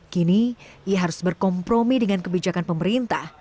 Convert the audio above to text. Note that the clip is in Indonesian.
kini ia harus berkompromi dengan kebijakan pemerintah